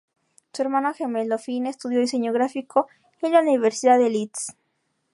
Su hermano gemelo, Finn, estudió diseño gráfico en la Universidad de Leeds